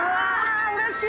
うれしい！